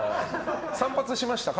散髪しましたか？